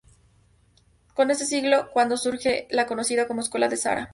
Es en este siglo cuando surge la conocida como Escuela de Sara.